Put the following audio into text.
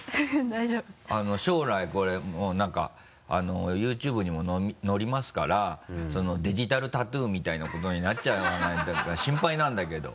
将来これもう何かＹｏｕＴｕｂｅにものりますからデジタルタトゥーみたいなことになっちゃわないかとか心配なんだけど。